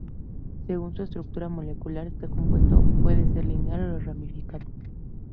Según su estructura molecular, este compuesto puede ser lineal o ramificado.